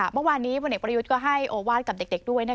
เมื่อวานนี้พลเอกประยุทธ์ก็ให้โอวาสกับเด็กด้วย